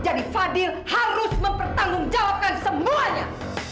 jadi fadil harus mempertanggung jawabkan semuanya